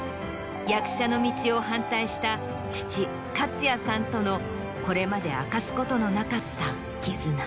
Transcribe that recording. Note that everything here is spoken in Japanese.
役者の道を反対した父勝也さんとのこれまで明かすことのなかった絆。